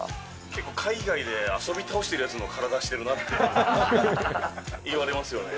結構、海外で遊び倒してるやつの体してるなって言われますよね。